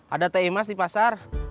ada teh emas di pasar